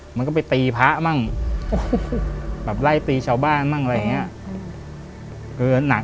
มันก็ไปตีพระมั่งแบบไล่ตีชาวบ้านมั่งอะไรอย่างนี้